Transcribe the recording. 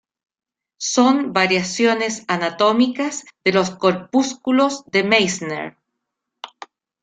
Son variaciones anatómicas de los corpúsculos de Meissner.